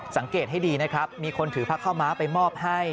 สังเกตให้ดีนะครับมีคนถือพระข้าวม้าไปมอบให้